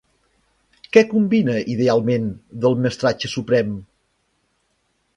Què combina idealment del mestratge suprem?